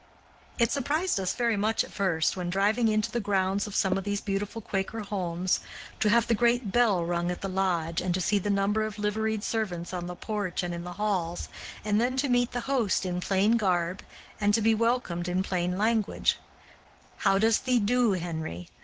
It surprised us very much at first, when driving into the grounds of some of these beautiful Quaker homes, to have the great bell rung at the lodge, and to see the number of liveried servants on the porch and in the halls, and then to meet the host in plain garb, and to be welcomed in plain language, "How does thee do, Henry?"